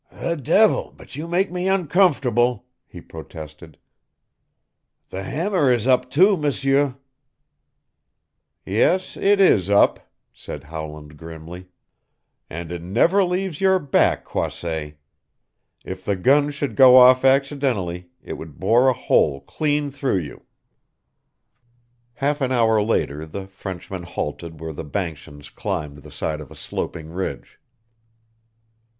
"The devil, but you make me uncomfortable," he protested. "The hammer is up, too, M'seur!" "Yes, it is up," said Howland grimly. "And it never leaves your back, Croisset. If the gun should go off accidentally it would bore a hole clean through you." Half an hour later the Frenchman halted where the banskians climbed the side of a sloping ridge.